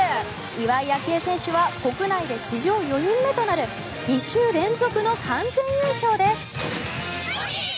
岩井明愛選手は国内で史上４人目となる２週連続の完全優勝です。